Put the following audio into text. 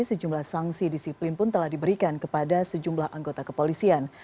sejumlah sanksi disiplin pun telah diberikan kepada sejumlah anggota kepolisian